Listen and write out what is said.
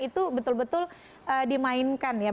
itu betul betul dimainkan ya